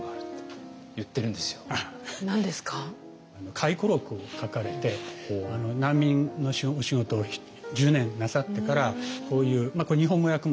回顧録を書かれて難民のお仕事を１０年なさってからこういうこれ日本語訳も出ていて。